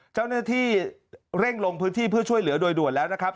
เจ้าหน้าที่เร่งลงพื้นที่เพื่อช่วยเหลือโดยด่วนแล้วนะครับ